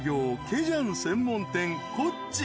ケジャン専門店］